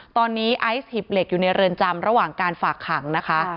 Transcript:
ตอนนี้ไอซ์หิบเหล็กอยู่ในเรือนจำระหว่างการฝากขังนะคะ